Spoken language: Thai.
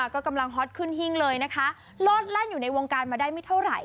ก็กำลังฮอตขึ้นหิ้งเลยนะคะโลดแล่นอยู่ในวงการมาได้ไม่เท่าไหร่